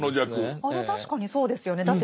あれ確かにそうですよね。